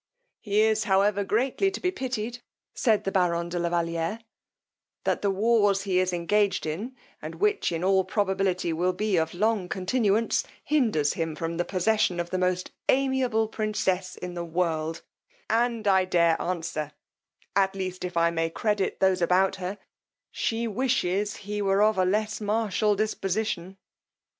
He is, however, greatly to be pitied, said the baron de la Valiere, that the wars he is engaged in, and which, in all probability will be of long continuance, hinders him from the possession of the most amiable princess in the world, and I dare answer, at least if I may credit those about her, she wishes he were of a less martial disposition.